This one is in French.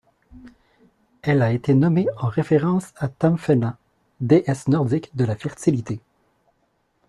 Elle a été nommée en référence à Tamfana, déesse nordique de la fertilité.